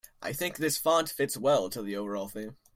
I think this font fits well to the overall theme.